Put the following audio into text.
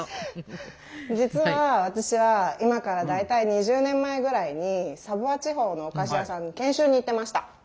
実は私は今から大体２０年前ぐらいにサヴォワ地方のお菓子屋さんに研修に行ってました。